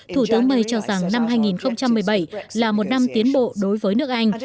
thủ tướng may cho rằng năm hai nghìn một mươi bảy là một năm tiến bộ đối với nước anh